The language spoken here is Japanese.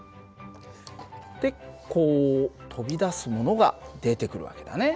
でこう飛び出すものが出てくる訳だね。